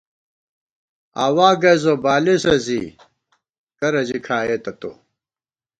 آوا گَئیس بہ بالېسہ زی ، کرہ ژی کھائېتہ تو